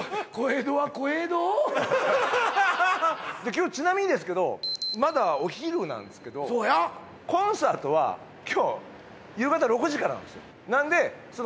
今日ちなみにですけどまだお昼なんですけどそうやコンサートは今日夕方６時からなんです